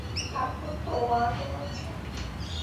থাপ্পড় তো ও আগে মারছে।